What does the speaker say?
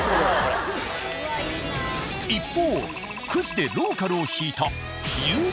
一方くじでローカルを引いた。